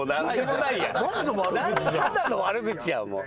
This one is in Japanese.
ただの悪口やんもう。